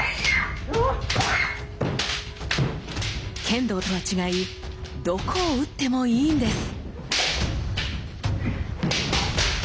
剣道とは違いどこを打ってもいいんです。